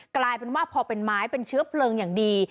กลายเป็นว่าพอเป็นไม้เป็นเชื้อเพลิงอย่างดี